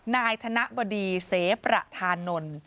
นายธนบดีเสประธานนท์